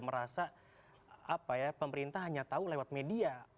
merasa pemerintah hanya tahu lewat media